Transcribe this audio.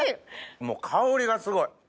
もう香りがすごい。